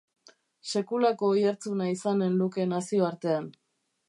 Sekulako oihartzuna izanen luke nazioartean.